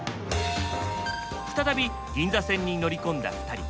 再び銀座線に乗り込んだ２人。